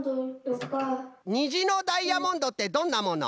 にじのダイヤモンドってどんなもの？